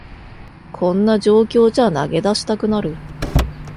こんな状況じゃ投げ出したくなる